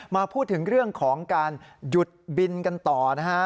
มาพูดถึงเรื่องของการหยุดบินกันต่อนะฮะ